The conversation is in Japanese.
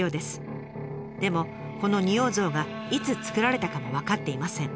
でもこの仁王像がいつ作られたかも分かっていません。